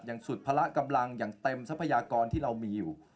สุดพละกำลังอย่างเต็มทรัพยากรที่เรามีอยู่